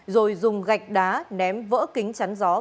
rồi dùng gạch đá ném vỡ kính chắn gió